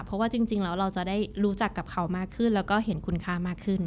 เพราะว่าจริงแล้วเราจะได้รู้จักกับเขามากขึ้นแล้วก็เห็นคุณค่ามากขึ้น